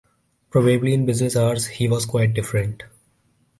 Probably in business hours he was quite different.